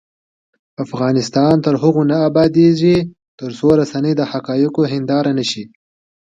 افغانستان تر هغو نه ابادیږي، ترڅو رسنۍ د حقایقو هنداره نشي.